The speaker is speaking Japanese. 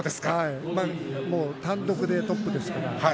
単独でトップですから。